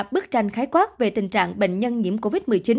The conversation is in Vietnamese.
bức tranh khái quát về tình trạng bệnh nhân nhiễm covid một mươi chín